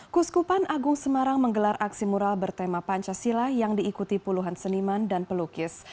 kuskupan agung semarang menggelar aksi mural bertema pancasila yang diikuti puluhan seniman dan pelukis